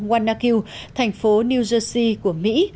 wannakew thành phố new jersey của mỹ